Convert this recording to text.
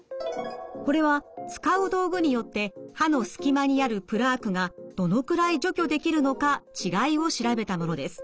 これは使う道具によって歯の隙間にあるプラークがどのくらい除去できるのか違いを調べたものです。